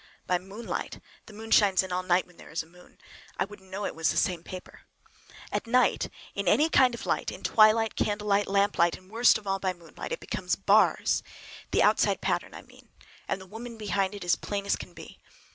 By moonlight—the moon shines in all night when there is a moon—I wouldn't know it was the same paper. At night in any kind of light, in twilight, candlelight, lamplight, and worst of all by moonlight, it becomes bars! The outside pattern I mean, and the woman behind it is as plain as can be.